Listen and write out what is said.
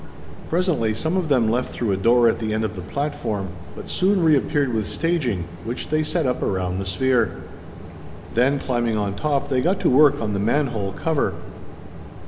Presently some of them left through a door at the end of the platform, but soon reappeared with staging, which they set up around the sphere. Then, climbing on top, they got to work on the man hole cover.